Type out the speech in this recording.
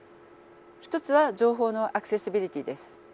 １つは情報のアクセシビリティです。